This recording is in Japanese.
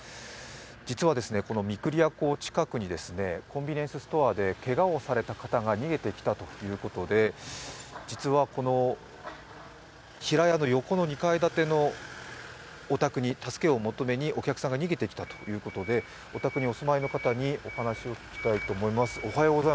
実は、この御厨港近くにコンビニエンスストアでけがをされた方が逃げてきたということで、実はこの平屋の横の２階建てのお宅に助けを求めにお客さんが逃げてきたということでお宅にお住まいの方にお話を聞きたいと思います。